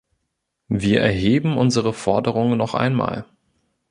Wir erheben unsere Forderungen noch einmal.